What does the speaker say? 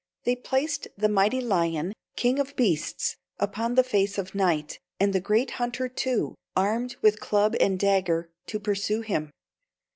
They placed the mighty lion, king of beasts, upon the face of night, and the great hunter, too, armed with club and dagger, to pursue him.